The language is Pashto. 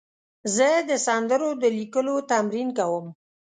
زه د سندرو د لیکلو تمرین کوم.